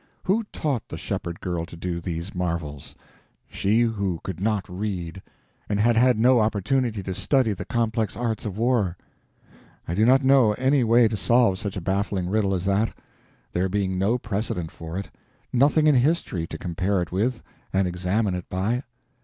Who taught the shepherd girl to do these marvels—she who could not read, and had had no opportunity to study the complex arts of war? I do not know any way to solve such a baffling riddle as that, there being no precedent for it, nothing in history to compare it with and examine it by.